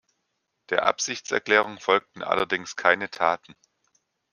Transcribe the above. Der Absichtserklärung folgten allerdings keine Taten.